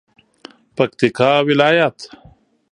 پکتیکا ولایت